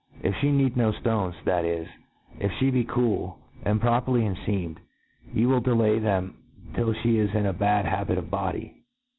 If fhe need no ftones, that/is, if fhe be cool, and properly in feaoned, yon will delay them tilt ihe is in a bad habit of body.